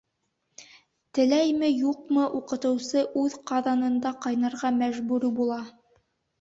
Теләйме, юҡмы, уҡытыусы үҙ ҡаҙанында ҡайнарға мәжбүр була.